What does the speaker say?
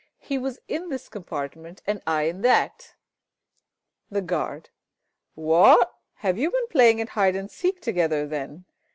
He was in this compartment, and I in that. The Guard. What? have you been playing at Hide and seek together, then?